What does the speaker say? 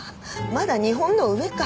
まだ日本の上か。